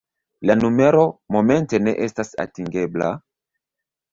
La numero momente ne estas atingebla...